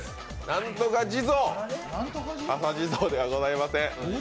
何とか地蔵、笠地蔵ではございません。